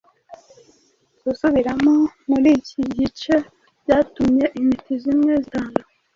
Gusubiramo muri iki gice byatumye intiti zimwe zitanga